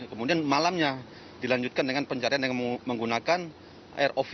kemudian malamnya dilanjutkan dengan pencarian yang menggunakan rov